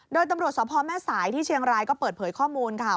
โดยตำรวจสพแม่สายที่เชียงรายก็เปิดเผยข้อมูลค่ะ